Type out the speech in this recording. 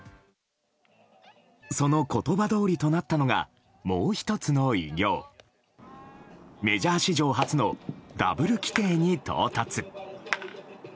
その言葉どおりとなったのがもう１つの偉業メジャー史上初のダブル規定に到達。